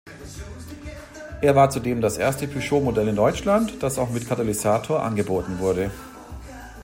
Er war zudem das erste Peugeot-Modell in Deutschland, das auch mit Katalysator angeboten wurde.